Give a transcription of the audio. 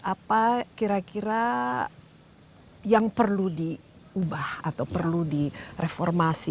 apa kira kira yang perlu diubah atau perlu direformasi